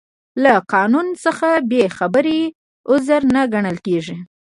له قانون څخه بې خبري عذر نه ګڼل کیږي.